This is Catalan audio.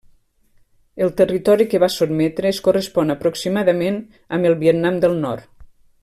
El territori que va sotmetre es correspon aproximadament amb el Vietnam del Nord.